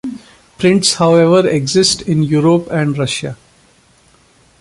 Prints however exist in Europe and Russia.